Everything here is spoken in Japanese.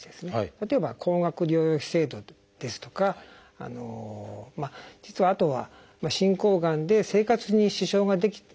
例えば高額療養費制度ですとか実はあとは進行がんで生活に支障があってですね